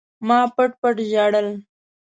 ما پټ پټ ژړل.